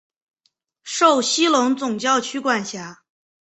受西隆总教区管辖。